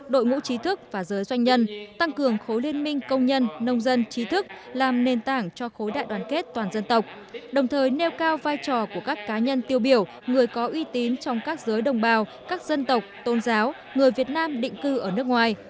đội ngũ trí thức và giới doanh nhân tăng cường khối liên minh công nhân nông dân trí thức làm nền tảng cho khối đại đoàn kết toàn dân tộc đồng thời nêu cao vai trò của các cá nhân tiêu biểu người có uy tín trong các giới đồng bào các dân tộc tôn giáo người việt nam định cư ở nước ngoài